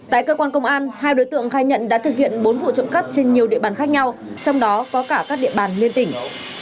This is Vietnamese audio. tại cơ quan công an hai đối tượng khai nhận đã thực hiện bốn vụ trộm cắp trên nhiều địa bàn khác nhau trong đó có cả các địa bàn liên tỉnh